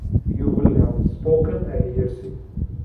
You will have spoken a heresy.